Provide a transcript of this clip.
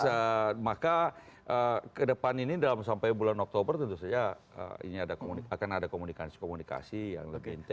sehingga kedepan ini sampai bulan oktober tentu saja akan ada komunikasi komunikasi yang lebih intens